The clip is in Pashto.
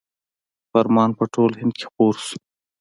فرمان په ټول هند کې خپور شو.